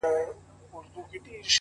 نظم د سترو پلانونو بنسټ جوړوي’